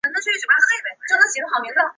法网则在八强败给特松加。